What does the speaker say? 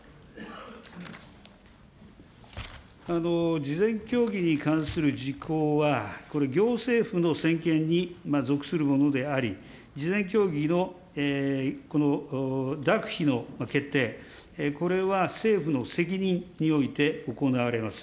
事前協議に関する事項は、行政府の専権に属するものであり、事前協議のこの諾否の決定、これは政府の責任において行われます。